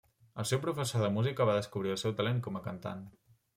El seu professor de música va descobrir el seu talent com a cantant.